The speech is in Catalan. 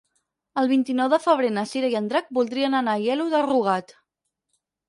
El vint-i-nou de febrer na Cira i en Drac voldrien anar a Aielo de Rugat.